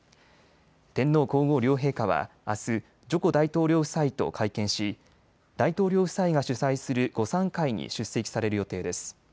天皇皇后両陛下はあす、ジョコ大統領夫妻と会見し大統領夫妻が主催する午さん会に出席される予定です。